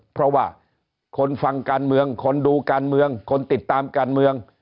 เพราะว่าคนฟังการเมืองคนดูการเมืองคนติดตามการเมือง